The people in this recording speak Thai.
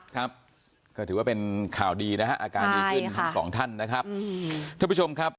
ครับก็ถือว่าเป็นข่าวดีนะฮะอาการดีขึ้นทั้งสองท่านนะครับ